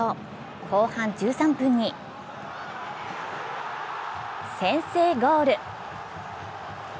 後半１３分に先制ゴール。